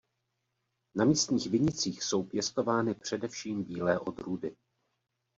Na místních vinicích jsou pěstovány především bílé odrůdy.